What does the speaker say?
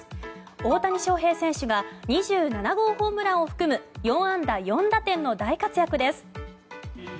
大谷翔平選手が２７号ホームランを含む４安打４打点の大活躍です。